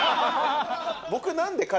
僕。